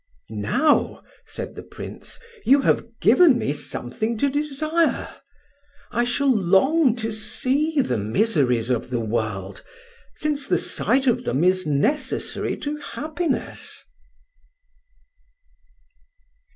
"Now," said the Prince, "you have given me something to desire. I shall long to see the miseries of the world, since the sight of them is necessary to happiness."